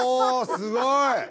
すごい！